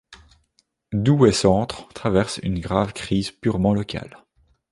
Douai-centre traverse une grave crise purement locale.